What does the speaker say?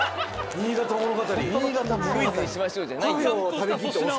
新潟物語。